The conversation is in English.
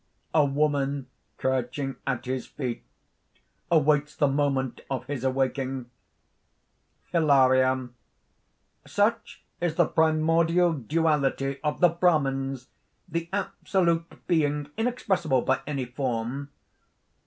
_ A woman crouching at his feet, awaits the moment of his awaking.) HILARION. "Such is the primordial duality of the Brahmans, the Absolute being inexpressible by any form."